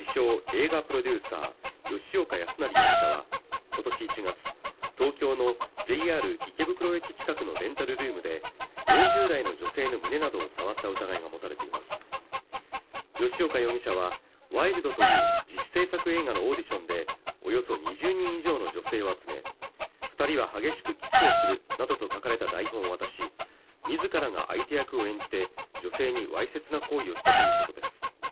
映画プロデューサー吉岡康成容疑者は今年１月東京のＪＲ池袋駅近くのレンタルルームで４０代の女性の胸などを触った疑いが持たれています吉岡容疑者は「ＷＩＬＤ」という自主制作映画のオーディションでおよそ２０人以上の女性を集め二人は激しくキスをするなどと書かれた台本を渡し自らが相手役を演じて女性にわいせつな行為をしたということです